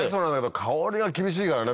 香りが厳しいからね